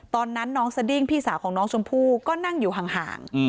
ตอนนั้นน้องสดิ้งพี่สาวของน้องชมพู่ก็นั่งอยู่ห่าง